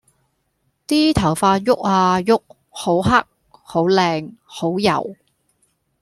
啲頭髮郁啊郁，好黑！好靚！好柔！